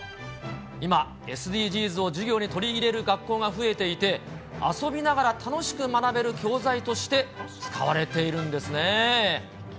今、ＳＤＧｓを授業に取り入れる学校が増えていて、遊びながら楽しく学べる教材として使われているんですね。